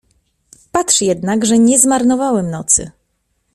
Patrz jednak, że nie zmarnowałem nocy.